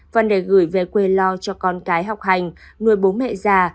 văn đề gửi về quê lo cho con cái học hành nuôi bố mẹ già